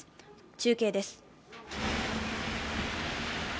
中継です。